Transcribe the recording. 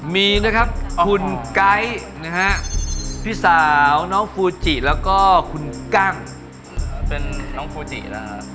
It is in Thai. มีนะครับคุณไก๊นะฮะพี่สาวน้องฟูจิแล้วก็คุณกั้งเป็นน้องฟูจินะฮะ